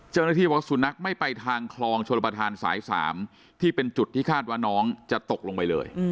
เจ้าหน้าที่บอกสุนัขไม่ไปทางคลองชลประธานสาย๓ที่เป็นจุดที่คาดว่าน้องจะตกลงไปเลย